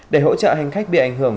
để hỗ trợ hành khách bị ảnh hưởng